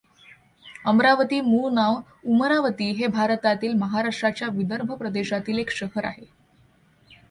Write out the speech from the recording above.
अमरावती मूळ नाव उमरावती हे भारतातील महाराष्ट्राच्या विदर्भ प्रदेशातील एक शहर आहे.